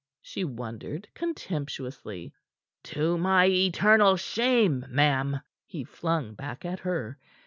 she wondered contemptuously. "To my eternal shame, ma'am!" he flung back at her.